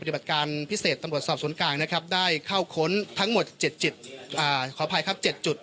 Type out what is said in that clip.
ปฏิบัติการพิเศษตำรวจสอบสวนกลางได้เข้าค้นทั้งหมด๗จุด